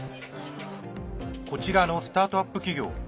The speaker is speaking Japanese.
こちらのスタートアップ企業。